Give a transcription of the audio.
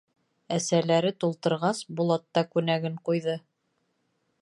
Әсәләре тултырғас, Булат та күнәген ҡуйҙы.